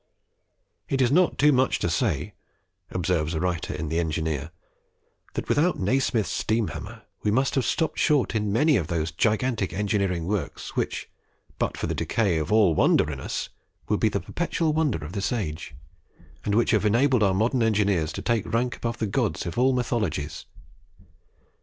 "It is not too much to say," observes a writer in the Engineer, "that, without Nasmyth's steam hammer, we must have stopped short in many of those gigantic engineering works which, but for the decay of all wonder in us, would be the perpetual wonder of this age, and which have enabled our modern engineers to take rank above the gods of all mythologies.